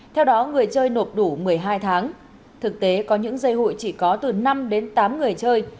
theo đó người chơi nộp đủ một mươi hai tháng thực tế có những dây hụi chỉ có từ năm đến tám người chơi